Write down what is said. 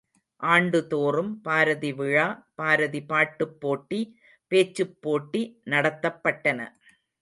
ஆண்டுதோறும் பாரதிவிழா, பாரதி பாட்டுப்போட்டி, பேச்சுப் போட்டிநடத்தப்பட்டன.